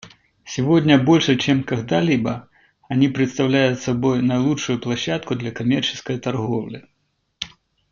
Сегодня больше, чем когда-либо, они представляют собой наилучшую площадку для коммерческой торговли.